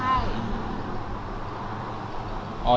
ใช่